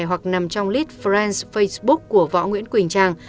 hoặc nằm trong list friends facebook của võ nguyễn quỳnh trang